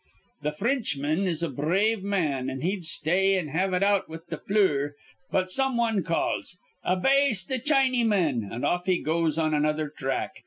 "Th' Fr rinchman is a br rave man, an' he'd stay an' have it out on th' flure; but some wan calls, 'A base th' Chinnyman!' an' off he goes on another thrack.